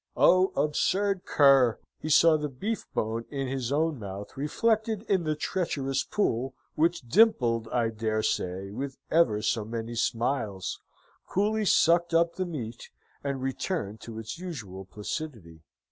O absurd cur! He saw the beefbone in his own mouth reflected in the treacherous pool, which dimpled, I dare say, with ever so many smiles, coolly sucked up the meat, and returned to its usual placidity.